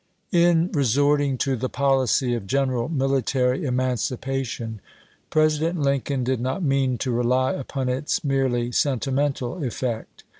"TN resorting to the policy of general military L emancipation, President Lincoln did not mean to rely npon its merely sentimental effect.